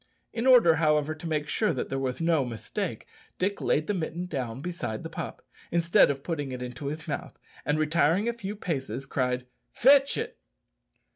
In order, however, to make sure that there was no mistake, Dick laid the mitten down beside the pup, instead of putting it into his mouth, and, retiring a few paces, cried, "Fetch it."